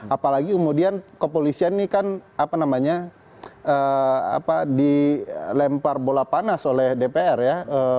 apalagi kemudian kepolisian ini kan apa namanya dilempar bola panas oleh dpr ya